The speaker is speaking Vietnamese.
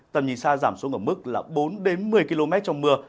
tầm nhìn xa giảm xuống ở mức bốn một mươi km trong mưa